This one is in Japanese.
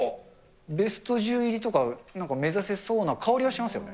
ベスト１０入りとか、なんか目指せそうな香りはしますよね。